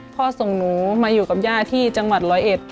ส่งหนูมาอยู่กับย่าที่จังหวัดร้อยเอ็ด